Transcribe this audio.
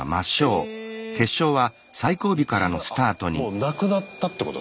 もうなくなったってこと？